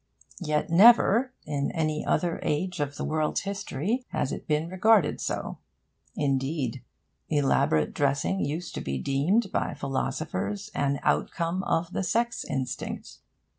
Yet never, in any other age of the world's history, has it been regarded so. Indeed, elaborate dressing used to be deemed by philosophers an outcome of the sex instinct.